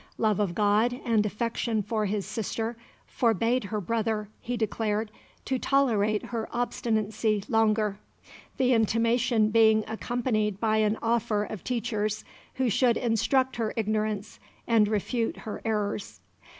Love of God and affection for his sister forbade her brother, he declared, to tolerate her obstinacy longer, the intimation being accompanied by an offer of teachers who should instruct her ignorance and refute her errors.